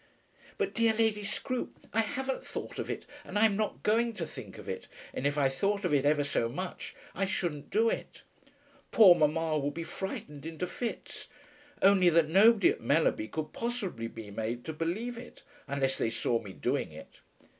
"But, dear Lady Scroope, I haven't thought of it, and I am not going to think of it; and if I thought of it ever so much, I shouldn't do it. Poor mamma would be frightened into fits, only that nobody at Mellerby could possibly be made to believe it, unless they saw me doing it."